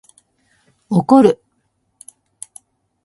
怒る